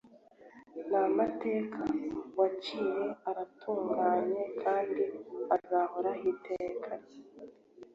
n’amateka waciye aratunganye kandi azahoraho iteka